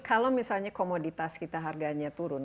kalau misalnya komoditas kita harganya turun